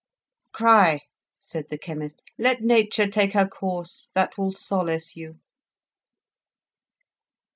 "Cry," said the chemist; "let nature take her course; that will solace you."